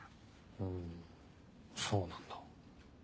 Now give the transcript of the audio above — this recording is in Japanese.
ふんそうなんだ。